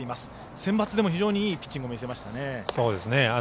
センバツでも非常にいいピッチングを見せましたね。